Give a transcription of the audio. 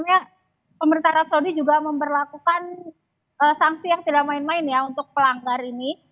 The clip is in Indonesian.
dan pemerintah arab saudi juga memperlakukan sanksi yang tidak main main ya untuk pelanggar ini